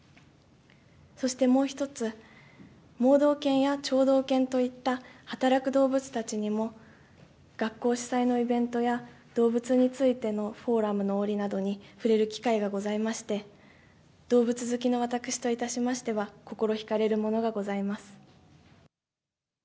そしてもう一つ、盲導犬や聴導犬といった働く動物たちにも学校主催のイベントや、動物についてのフォーラムの触れる機会がございまして、動物好きの私といたしましては、心引かれるものがございます。